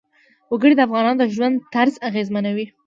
وګړي د افغانانو د ژوند طرز اغېزمنوي.